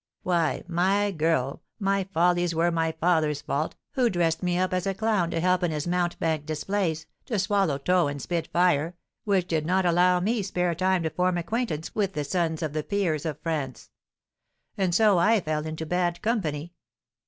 "Why, my girl, my follies were my father's fault, who dressed me up as a clown to help in his mountebank displays, to swallow tow and spit fire, which did not allow me spare time to form acquaintance with the sons of the peers of France; and so I fell into bad company.